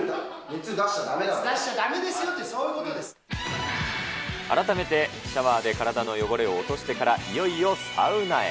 熱出しちゃだめですよって、改めてシャワーで体の汚れを落としてから、いよいよサウナへ。